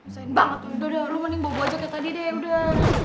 sain banget udah udah lo mending bawa gue aja kayak tadi deh udah